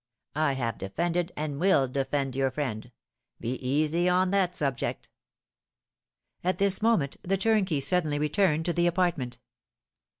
I have defended and will defend your friend, be easy on that subject.'" At this moment the turnkey suddenly returned to the apartment.